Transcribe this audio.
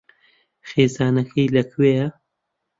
خێزانەکەی لەکوێیە؟